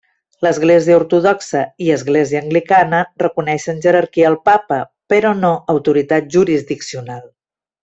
L'Església Ortodoxa i Església Anglicana reconeixen jerarquia al Papa, però no autoritat jurisdiccional.